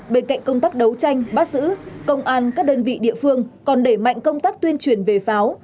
bên cạnh công tác đấu tranh bắt giữ công an các đơn vị địa phương còn đẩy mạnh công tác tuyên truyền về pháo